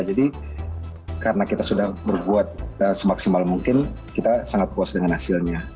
jadi karena kita sudah berbuat semaksimal mungkin kita sangat puas dengan hasilnya